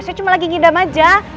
saya cuma lagi ngidam aja